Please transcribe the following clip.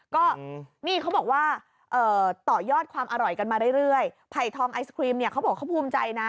ก็นี่เขาบอกว่าต่อยอดความอร่อยกันมาเรื่อยไผ่ทองไอศครีมเนี่ยเขาบอกเขาภูมิใจนะ